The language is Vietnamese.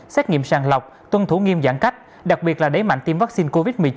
xét nghiệm sàng lọc tuân thủ nghiêm giãn cách đặc biệt là đẩy mạnh tiêm vaccine covid một mươi chín